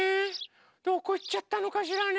どこいっちゃったのかしらね？